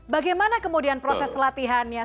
bagaimana kemudian proses latihannya